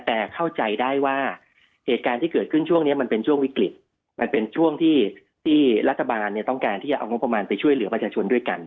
แต่เข้าใจได้ว่าเหตุการณ์ที่เกิดขึ้นช่วงนี้มันเป็นช่วงวิกฤตมันเป็นช่วงที่รัฐบาลเนี่ยต้องการที่จะเอางบประมาณไปช่วยเหลือประชาชนด้วยกัน